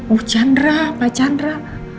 bu chandra pak chandra